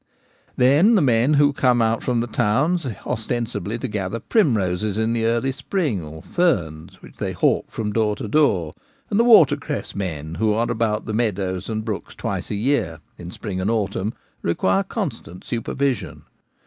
Then the men who come out from the towns, ostensibly to gather primroses in the early spring, or ferns, which they hawk from door to door ; and the watercress men, who are about the meadows and brooks twice a year, in spring and autumn, require constant supervision.